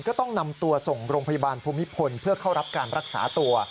ก็ต้องนำตัวส่งโรงพยาบาลภูมิพลเพื่อเข้ารับการรักษาตัว